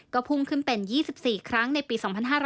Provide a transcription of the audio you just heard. ก็พุ่งขึ้นเป็น๒๔ครั้งในปี๒๕๕๙